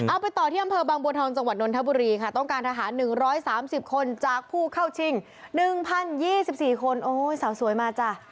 เอาไปต่อที่อำเภอบางบัวทองจังหวัดนทบุรีค่ะต้องการทหาร๑๓๐คนจากผู้เข้าชิง๑๐๒๔คนโอ้ยสาวสวยมาจ้ะ